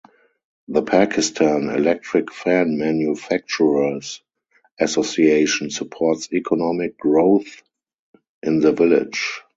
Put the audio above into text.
The Pakistan Electric Fan Manufacturers Association supports economic growth in the village.